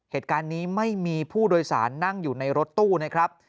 เหตุการณ์นี้ไม่มีผู้โดยสารนั่งอยู่ในรถตู้นะครับ